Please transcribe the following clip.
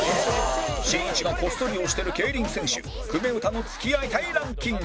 しんいちがこっそり推してる競輪選手久米詩の付き合いたいランキング